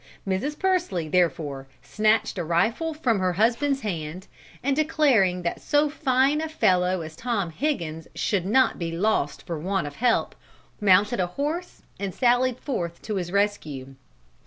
Mrs. Pursley, therefore, snatched a rifle from her husband's hand, and declaring that 'so fine a fellow as Tom Higgins should not be lost for want of help,' mounted a horse and sallied forth to his rescue.